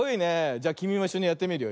じゃきみもいっしょにやってみるよ。